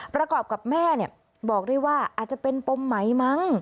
ประกอบกับแม่บอกด้วยว่าอาจจะเป็นปมไหมมั้ง